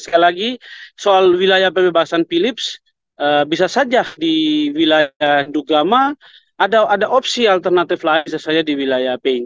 sekali lagi soal wilayah pembebasan philips bisa saja di wilayah duga ma ada opsi alternatif lain bisa saja di wilayah png